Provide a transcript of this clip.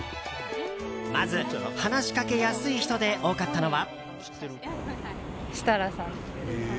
まず話しかけやすい人で多かったのは。